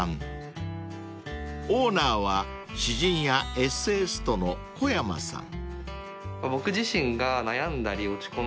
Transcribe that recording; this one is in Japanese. ［オーナーは詩人やエッセイストの小山さん］